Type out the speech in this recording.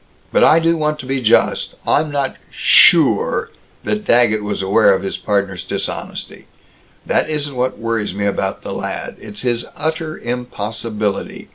But I do want to be just. I'm not sure that Daggett was aware of his partner's dishonesty. That isn't what worries me about the lad. It's his utter impossibility.